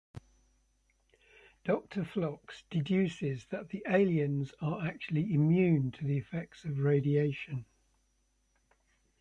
Doctor Phlox deduces that the aliens are actually immune to the effects of radiation.